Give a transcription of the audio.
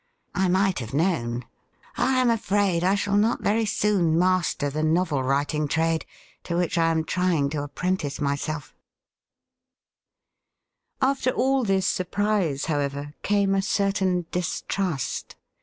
I might have known. I am afraid I shall not very soon master the novel writing trade, to which I am trying to apprentice myself After all this surprise, however, came a certain distrust.